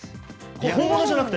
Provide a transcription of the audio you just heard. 本物じゃなくて？